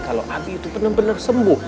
kalo abi itu bener bener sembuh